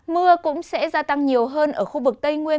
mưa cũng sẽ gia tăng nhiều hơn ở khu vực tây nguyên